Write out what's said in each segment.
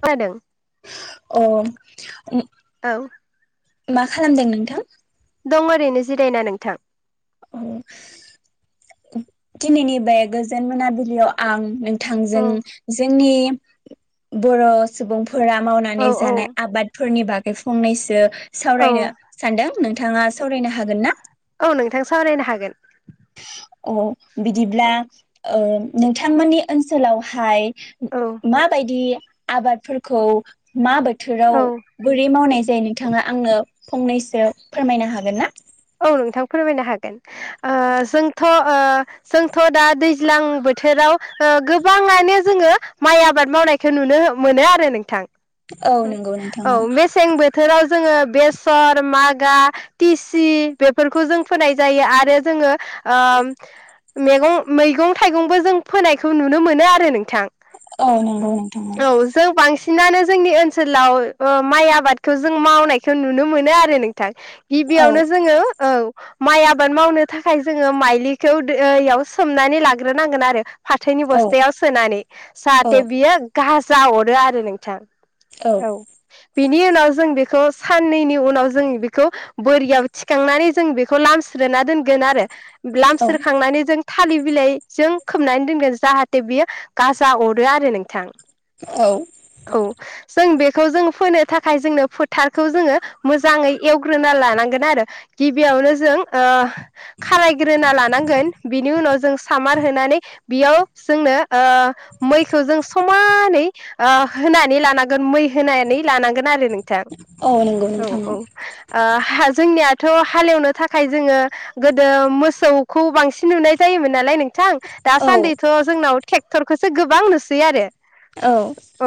फरायदों। अह ओ औ। मा खालामदों नोंथां? दं ओरैनो जिरायना नोंथां। दिनैनि बे गोजोन मोनाबिलियाव आं नों थांजों औ जे जोंनि बर सुबुंफोर फोरा औ मावनानै जानाय औ आबादफोरनि बाग फंनैसो। सावरायनो सानदों नों नोंथाङा सावरायनो हागोन ना? औ नोंथां सावरायनो हागोन। अ बिदिब्ला औ ओ नोंथांमोननि ओनसोलावहाय औ माबायदि आबादफोरखौ मा बेक थोराव बोरै मावनाय जायो नोंथाङा आंनो फंनैसो फोरमायनो हागोन ना? औ नोंथां फोरमायनो हागोन। ओ जोंथ ओ जोंथ' दा दैज्लां बोथोराव ओ गोबाङानो जोङो माइ आबाद मावनायखौ नुनो ओ मोनो आरो नोंथां औ नंगौ नोंथां औ मेसें बोथोराव जोङो बेसर, मागा, तिस सि बेफोरखौ जों फोनाय जायो आरो जोङो ओ मेंग मैगं थाइगंबो जों फोनायखौ नुनो मोनो आरो नों थां औ नंगौ नोंथां औ जों बांसि सिनानो जोंनि ओनसोलाव ओ माइ आबादखो जों मावनायखौ नुनो मोनो आरो नोंथां। औ बेयावनो जोङो औ माइ आबाद मावनो थाखाय जोङो माइलिखौ दैयाव सोमनानै लाग्रोनांगोन आरो फाथोनि औ बस्थायाव सोनानै औ जाहाथे बियो गाजा हरो आरो नोंथां। औ बिनि उनाव जों बेखौ साननैनि उनाव जों बेखौ बोरियाव थिखांनानै जों बेखौ लामस्रोना दोनगोन आरो ब्लाम औ सोरखांनानै जों थालिर बिलाइजों खोमनानै दोनगोन जाहाथे बियो गाजा अरो आरो नोंथां। औ। औ जों बेखौ जों फोनो थाखाय जोंनो फोथारखौ जोङो मोजाङै एवग्रोनो लानांगोन आरो गिबियावनो जों ओ खारायग्रोना लानांगोन बिनि उनाव जों सामार होनानै बेयाव जोंनो ओ मैखौ जों समानै ओ होनानै लानांगोन मै होनानै लानांगोन आरो। नोंथां औ नंगौ नोंथां औ ओ हा-जोंनियाथ' हालेवनो थाखाय जोङो गोदो मोसौखौ बांसिन नुनाय जायोमोन नालाय नों थां दासान्दिथ' जोंनाव ट्रेक्टरखौसो गोबां नुसैयो आरो औ औ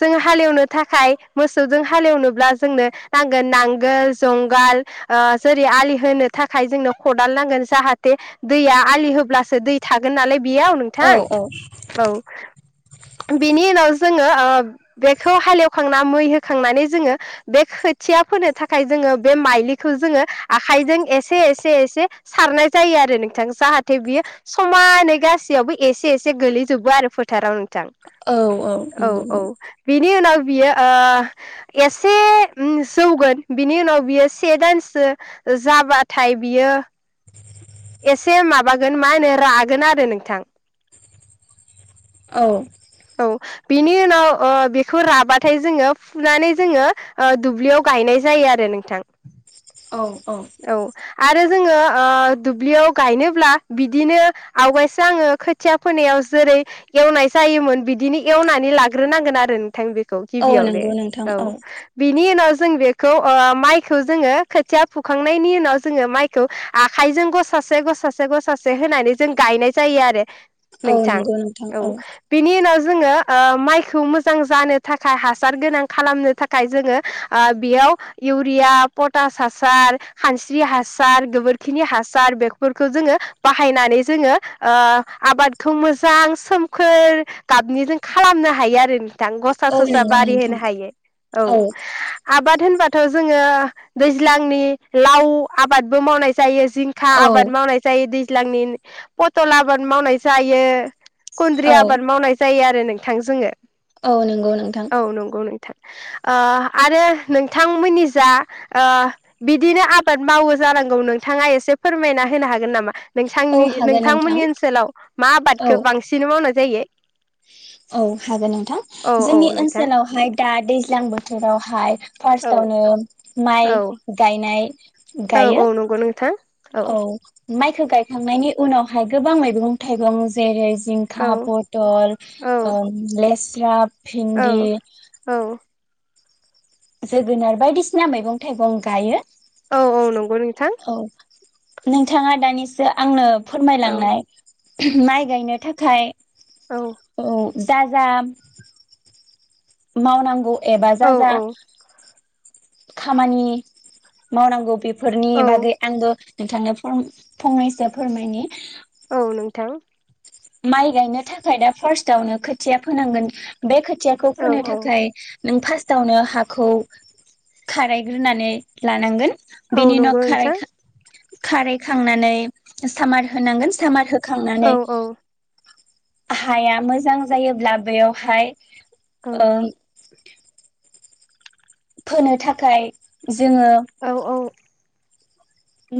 जों हालेवनो थाखाय मोसौजों हालेवनोब्ला जोंनो नांगोन नांगोल, जंगाल ओ जेरै आलि होनो थाखाय जोंनो खदाल नांगोन जाहाथे दैया आलि होब्लासो दै थागोन नालाय बेयाव औ नोंथां औ बिनि उनाव जोङो ओ बेखौ हालेवखां ना मै होखांनानै जोङो बे खोथिया फोनो थाखाय जोङो बे माइलिखौ जोङो आखायजों एसे एसे एसे सारनाय जायो आरो नोंथां जाहाथे बियो समानै गासैयावबो एसे एसे गोलैजोबो आरो फोथाराव नों थां औ औ नंगौ औ बिनि उनाव बियो ओ एसे ओम जौगोन। बिनि उनाव बियो से दानसो जाबाथाय बियो एसे माबागोन मा होनो रागोन आरो नोंथां औ औ बिनि उनाव ओ बेखौ राबाथाय जोङो फुनानै जोङो ओ दुब्लियाव गायनाय जायो आरो नोंथां औ औ आरो जोङो ओ दुब्लियाव गायनोब्ला बिदिनो आवगायसो आङो खोथिया फोनायाव जेरै एवनाय जायोमोन बिदिनो एवनानै लाग्रोनांगोन आरो नोंथां बे खौ औ गिबियावनो नंगौ नोंथां औ बिनि उनाव जों बेखौ ओ माइखौ जोङो खोथिया फुखांनायनि उनाव जोङो माइखौ आखाइजों गसासे- गसासे-गसासे होनानै जों गायनाय जायो आरो औ नोंथां नंगौ नोंथां औ बिनि उनाव जोङो माइखौ मोजां जानो थाखाय हासार गोनां खालामनो थाखाय जोङो बेयाव इउरिया पटास हा सार खानस्रि हासार गोबोरखिनि हासार बेफोरखौ जोङो बाहायनानै जोङो आबादखौ मोजां सोमखोर गाबनि जों खालामनो हायो आरो। बां गसा औ ससा नंगौ बारि नोंथां होनो हायो औ, आबाद होनबा थ जोङो दैज ज्लांनि लाव आबादबो मावनाय जायो। जिंखा औ आबाद मावनाय जायो दै ज्लांनि फथल आबाद मावनाय जायो। खुन्द्रि औ आबाद मावनाय जायो। नोंथां जोङो औ नंगौ नोंथां औ नंगौ नोंथां ओ आरो नोंथांमोननि जा ओ बिदिनो आबाद मावो जानांगौ नोंथाङा एसे फोरमायना होनो हागोन नामा? औ नोंथांनि हागोन नोंथां नोंथांमोननि ओनसोलाव मा औ आबादखौ बांसिन मावना नाय जायो औ हागोन नोंथां औ औ जोंनि नोंथां ओनसोलावहाय दा दैज्लां बोथोराव हाय औ फार्स्टावनो माइ औ गायनाय औ गायो। औ नंगौ नोंथां औ माइखौ गायखांनायनि उनावहाय गोबां मैगं थाइगं जेरै औ जिंखा पटल औ लेस दा भिन्दि औ औ जोगोनार बायदिसिना मैगं थाइगं गायो। औ औ नंगौ नोंथां औ नोंथाङा दानिसो आंनो औ फोरमायलांनाय माइ गायनो थाखाय औ दा जाम मावनांगौ एबा औ जा जा औ खामानि मावनांगौ बेफोरनि औ बागै आंबो नोंथांनो आं फंनैसो फोरमायनि औ नोंथां माइ गायनो थाखाय दा फार्स्टआवनो खोथिया फोनांगोन बे खोथ खोथियाखौ औ फोनो औ थाखाय नों फास्टवावनो हाखौ खारायग्रोनानै लानांगोन। औ बिनि उनाव नंगौ खाराय नोंथां खां खाराय। खांनानै सामार होनांगोन सामार हो औ खांनानै। औ हाया मोजां जायोब्ला बेयावहाय औ [unintelligible] [inaudible] फोनो थाखाय जोङो औ औ।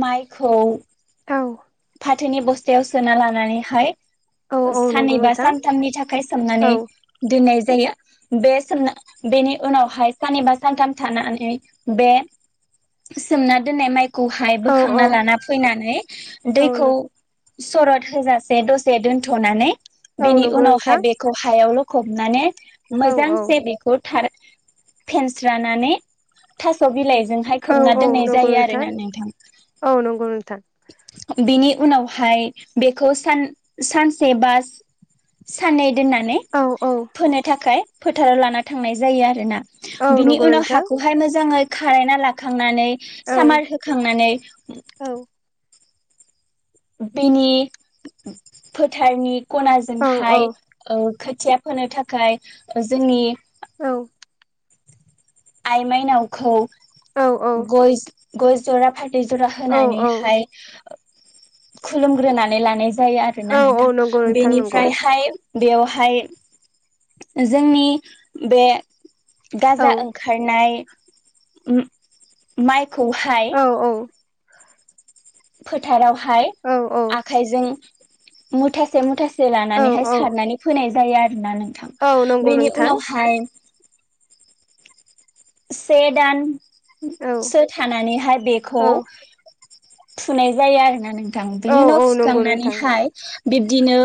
माइखौ औ फाथोनि बस्थायाव सोना लानानैहाय औ औ नंगौ साननै बा नोंथां सानथामनि थाखाय औ सोमनानै दोननाय जायो। बे सोमना बेनि उनावहाय सानैबा सानथाम थानानै बे सोमना दोननाय माइ खौहाय औ बोखांना लाना फैनानै औ दैखौ सरत होजासे दसे दोनथनानै। औ बेनि नंगौ नोंथां उनावहाय बेखौ हायाव ल खबनानै औ औ मोजांसे बेखौ फेनस्रारानानै थास बिलाइ जोंहाय खोबना औ औ दोननाय नंगौ जायो आरोना नोंथां। औ नंगौ नोंथां बिनि उनावहाय बेखौ सान-सानसे बा साननै दोननानै औ औ फोनो थाखाय फोथाराव लाना थांनाय जायो आरोना। औ बिनि नंगौ उनाव नोंथां हाखौहाय मोजाङै खारायना लाखांनानै औ सामार होखांनानै औ बिनि फोथारनि खना औ जोंहाय औ ओ खोथिया फोनो थाखाय ओ जोंनि औ। आइ माइनावखौ औ गय गय जरा फाय थै जरा होनानैहाय खुलुमग्रोनानै लानाय जा जायो औ आरोना नोंथां नंगौ नोंथां नंगौ बेनिफ्रायहाय बेवहाय जोंनि बे औ गाजा ओं खायनाय‌ ओम माइ खौहाय औ फोथाराव हाय औ आखाइजों मुथासे मुथासे जे औ लानानैहाय औ सारनानै फोनायज [unintelligible] आरोना नों थां औ नंगौ बेनि नोंथां उनावहाय से दान औ सो थानानैहाय बेखौ औ थुनाय जायो आरोना नों थां औ बिनि उनाव औ नंगौ नोंथां फुखांनानैहाय बिब्दिनो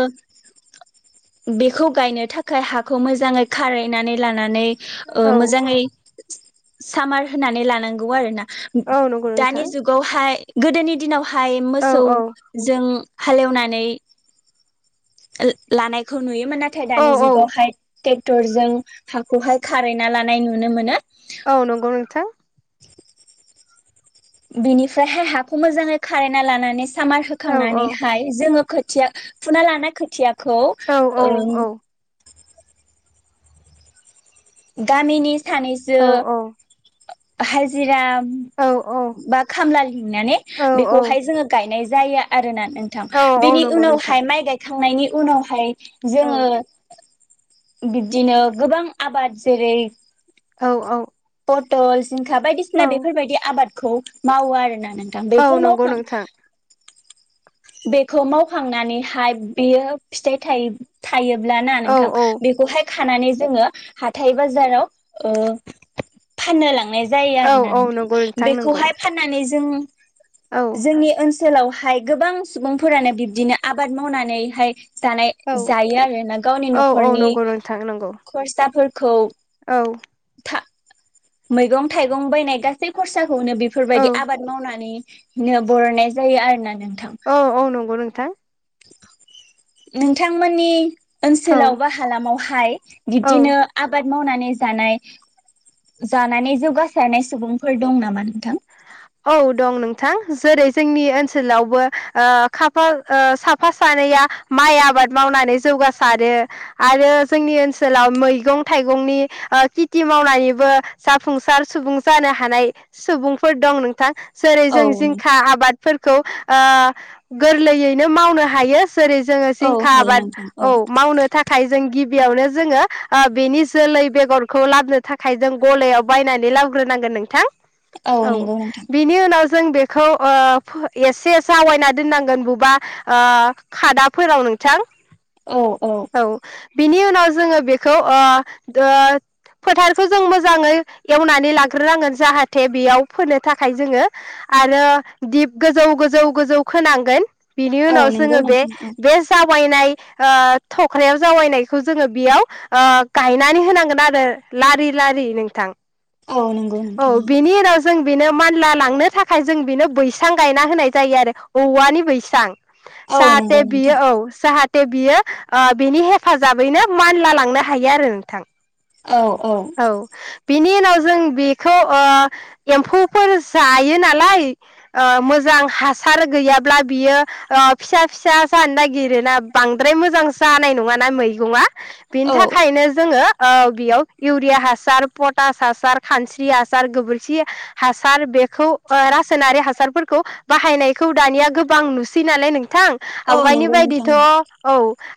बेखौ गायनो थाखाय हाखौ मोजाङै खारायनानै लानानै ओ औ मोजाङै सामार होनानै लानांगौ आरोना औ नंगौ दानि नोंथां जुगावहाय गोदोनि दिनाव हाय औ मोसौ औ जों हालेवनानै ला लानायखौ नुयो मोन नाथाय औ दानि औ जुगावहाय टेक्टर जों हाखौहाय खारैना लानाय नुनो मोनो। औ नंगौ नोंथां। [inaudible] बिनिफ्राहाय हाख खो मोजाङै खारायना लाना सामार औ औ होखांनानैहाय जोङो खो थिया फुना लानाय खोथिया खौ औ औ ओन औ गामिनि सानैसो औ हाजिरा औ बा खामला लिंनानै औ बेखौहाय जोङो गायनाय जायो आरोना नोंथां औ औ बिनि नंगौ नोंथां उनावहाय माइ गायख थांनायनि उनावहाय औ जोङो बिब्दिनो गोबां आबाद जेरै औ औ हटलसष जिंखा बायदिसिना औ बेफोरबायदि आबाद खौ मावो आरो ना नोंथां औ बेखौ नंगौ मावखां नोंथां बेखौ मावखांनानैहाय बियो फिथाइ थाइ थायोब्ला ना औ औ नोंथां खानानै जोङो हाथाय बाजाराव ओ फाननो लांनाय जायो आरो औ ना औ नंगौ नोंथां नंगौ बेखौहाय फाननानै जों औ जोंनि ओनसोल ओनसोलावहाय गोबां सुबुंफोरानो बिब्दिनो आबाद मावनानैहाय जानाय औ जायो आरो ना गावनि न'खरनि थांनांगौ। फोरखौ औ था मैगं थाइगं बायनाय गासै खरसा खौनो औ बेफोरबायदि आबाद मावनानै नो बरायनाय जायो आरोना नों औ औ नंगौ नोंथां नोंथांमोननि ओनसोलाव औ बा हालामावहाय औ बिब्दिनो आबाद मावनानै जानाय जानानै जौगासारनाय सुबुंफोर दं नामा नोंथां? औ दं नोंथां जेरै जोंनि ओनसोलावबो ओ खाफाल साफा सानैया माइ आबाद मावनानै जौगासारो आरो जोंनि ओनसोलाव मैगं थाइगंनि ओ केटि मावनानैबो जाफुंसार सुबुं जानो हानाय सुबुं फोर दं नोंथा जेरै औ जों नोंथां जिंखा आबादफोर खौ ओ गोरलैयैनो मावनो हायो जेरै जोङो औ जिंखा हायो आबाद नोंथां औ मावनो थाखाय जों गि बेयावनो जोङो ओ बेनि जोलै बेगरखौ लाबनो थाखाय जों गलायाव बायनानै लाबग्रोनांगोन नोंथां औ नंगौ नोंथां बिनि उनाव जों बेखौ ओ फो एसे जावायना दोननांगोन बुबा ओ खादाफोराव नोंथां। औ औ। बिनि उनाव जोङो बेखौ ओ ओ फोथारखौ जों मोजाङै एवनानै लाग्रोनांगोन जाहाथे बेयाव फोनो थाखाय जोङो आरो दिप गोजौ गोजौ गोजौ खोनांगोन। बिनि औ उनाव नंगौ जोङो बे नोंथां औ बे जाब जावायनाय ओ थख्रायाव जावायनायखौ जोङो बेयाव ओ गायनानै होनांगोन आरो लारि लारि नोंथां औ नंगौ औ नोंथां। बेनि उनाव जों बेनो मानला लांनो थाखाय जों बेनो बैसां गायना होनाय जायो आरो औवानि बैसां। औ नंगौ साहाथे बियो नोंथां औ साहा दे बियो ओ बिनि हेफाजाबैनो मानला लांनो हायो आरो नोंथां। औ बि बिनि उनाव जों बेखौ ओ एम्फौफोर जायो नालाय ओ मोजां हासार गैयाब्ला बियो ओ फिसा फिसा जानो नागिरोना बांद्राय मोजां जानाय नङाना मैगङा बिनि औ थाखायनो जोङो औ बेयाव इउरिया हासार पटास हासार खानस्रि हासार गोबोरखि हासार बेखौ रासायनारि हासारफोरखौ बाहायनायखौ दानिया गोबां नुसै नालाय नों थां औ आवगायनि नंगौ नोंथां बायदिथ औ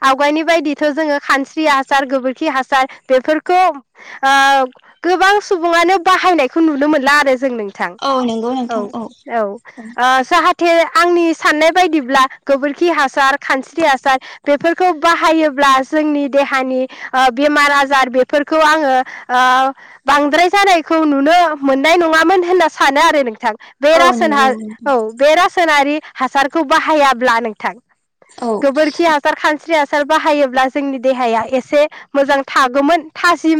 आवगायनि बायदिथ जोङो खानस्रि हासार गोबोरखि हासार बेफोरखौ ओ गोबां सुबुङानो बाहायनायखौ नुनो मोनला आ जों नोंथां औ नंगौ औ नोंथां औ ओ साहाब थे आंनि साननाय बायदिब्ला गोबोरखि हासार खानस्रि हासार बेफोरखौ बाहायोब्ला जोंनि देहानि ओ बेमार आजार बेफोरखौ आङो ओ बांद्राय जानायखौ नुनो मोन नाय नङामोन होनना सानो आरो नोंथां। औ बेरासन हा नंगौ औ नोंथां बेरासनारि हासारखौ बाहायाब्ला नोंथां। औ गोबोरखि हासार खानस्रि हासार हासार बाहायोब्ला जोंनि देहाया एसे मोजां थागौमोन थाजिम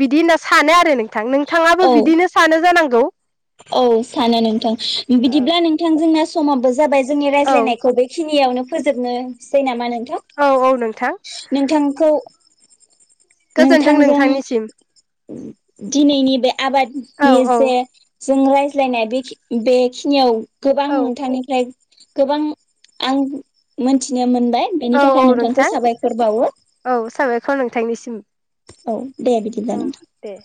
बिदि होनना सानो आरो नों नोंथां नोंथाङाबो औ बिदिनो जानांगौ। औ सानो नोंथां बिदिब्ला नोंथां जोंना समाबो जाबाय। जोंनि औ रायज्लायनायखौ बेखिनि यावनो फोजोबनोसै नामा नों औ औ नोंथां नोंथांखौ गोजोनथों नोंथांजों नोंथांनिसिम दिनैनि बे औ आबादनि औ जे जों रायज्लायनाय बेखि-बेखिनियाव गोबां औ मोनथानिफ्राय गोबां आं मिनथिनो मोन औ औ नोंथां औ साबायखर नोंथांनिसिम। औ दे औ बादिब्ला नों दे